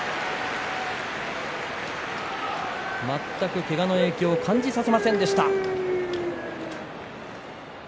全くけがの影響を感じさせませんでした。